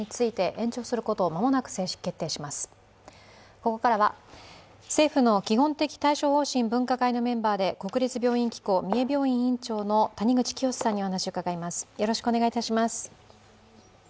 ここからは、政府の基本的対処方針分科会のメンバーで国立病院機構三重病院院長の谷口清州さんにお話を伺います。